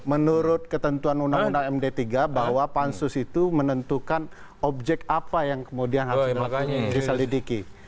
menurut ketentuan undang undang md tiga bahwa pansus itu menentukan objek apa yang kemudian harus diselidiki